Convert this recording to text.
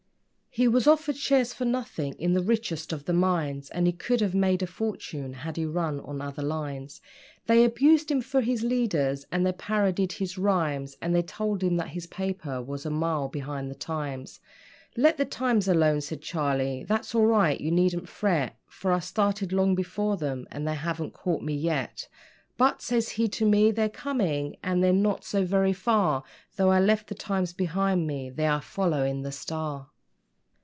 He was offered shares for nothing in the richest of the mines, And he could have made a fortune had he run on other lines; They abused him for his leaders, and they parodied his rhymes, And they told him that his paper was a mile behind the times. 'Let the times alone,' said Charlie, 'they're all right, you needn't fret; For I started long before them, and they haven't caught me yet. But,' says he to me, 'they're coming, and they're not so very far Though I left the times behind me they are following the STAR.